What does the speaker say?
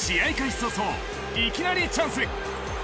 早々いきなりチャンス。